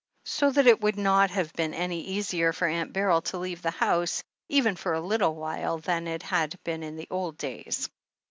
So that it would not have been any easier for Aunt Beryl to leave the house, even for a little while, than it had been in the old days.